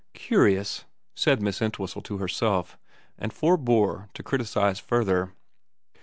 ' Curious,' said Miss Entwhistle to herself ; and forbore to criticise further.